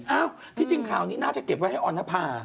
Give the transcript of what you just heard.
ที่จริงข่าวนี้น่าจะเก็บไว้ให้ออนภา